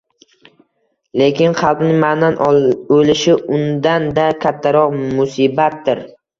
lekin qalbning ma’nan o‘lishi undan-da kattaroq musibatdir.